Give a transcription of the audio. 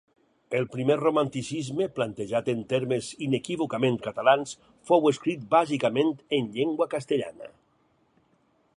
El primer romanticisme, plantejat en temes inequívocament catalans, fou escrit bàsicament en llengua castellana.